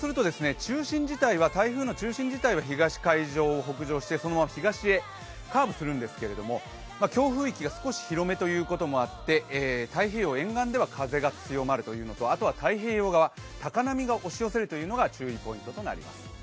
台風の中心自体は東海上を北上してそのまま東へカーブするんですけれども、強風域が少し広めということもあって太平洋沿岸では風が強まるということとあとは太平洋側、高波が押し寄せるというのが注意ポイントととなります。